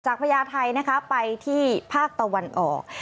จากพญาไทยไปที่ภาคตะวันออก